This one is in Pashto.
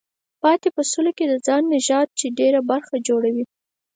پاتې په سلو کې د خان نژاد دی چې ډېره برخه جوړوي.